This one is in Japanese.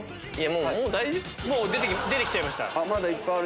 もう出て来ちゃいました。